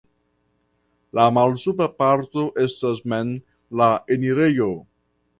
La malsupra parto estas mem la enirejo.